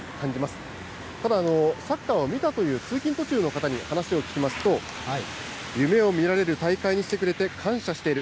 ただ、サッカーを見たという通勤途中の方に話を聞きますと、夢を見られる大会にしてくれて感謝している。